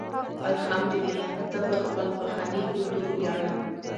الحمدالله زه پر خپل پښنې کلتور ویاړم.